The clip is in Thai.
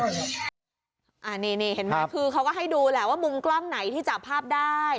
นี่เห็นไหมคือเขาก็ให้ดูแหละว่ามุมกล้องไหนที่จับภาพได้